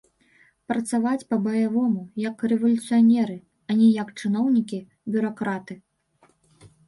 Працаваць па-баявому, як рэвалюцыянеры, а не як чыноўнікі, бюракраты.